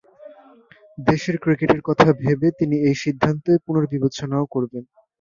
দেশের ক্রিকেটের কথা ভেবে এই সিদ্ধান্ত তিনি পুনর্বিবেচনাও করবেন।